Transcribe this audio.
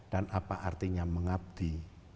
dan apa artinya mengabdi